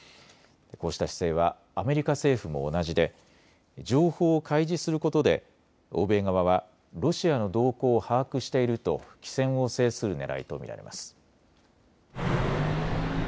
こうした姿勢はアメリカ政府も同じで情報を開示することで欧米側はロシアの動向を把握していると機先を制するねらいと見られます。